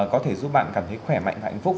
có thể giúp bạn cảm thấy khỏe mạnh và hạnh phúc